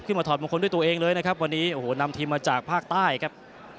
ถอดมงคลด้วยตัวเองเลยนะครับวันนี้โอ้โหนำทีมมาจากภาคใต้ครับ